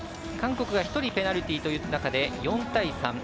韓国が１人、ペナルティーという中で４対３。